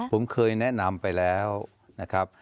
ผมเคยแนะนำไปแล้วนะครับ